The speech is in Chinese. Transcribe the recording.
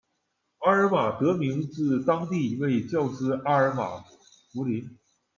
阿尔玛得名自当地一位教师阿尔玛·弗林。